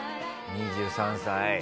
２３歳。